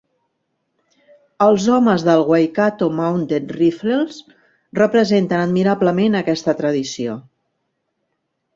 Els homes dels Waikato Mounted Rifles representen admirablement aquesta tradició.